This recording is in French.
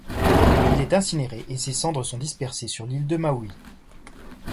Il est incinéré et ses cendres sont dispersées sur l’île de Maui.